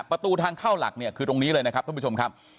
ประตูทางเข้าหลักเนี่ยคือตรงนี้เลยนะครับท่านผู้ชมครับ